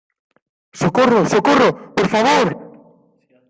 ¡ socorro, socorro! ¡ por favor !